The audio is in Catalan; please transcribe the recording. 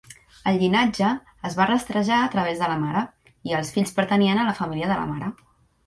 El llinatge es va rastrejar a través de la mare i els fills pertanyien a la família de la mare.